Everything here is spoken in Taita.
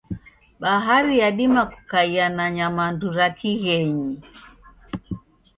Bahari yadima kukaia na nyamandu ra kighenyi.